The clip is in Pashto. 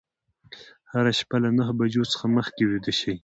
هره شپه له نهه بجو څخه مخکې ویده شئ.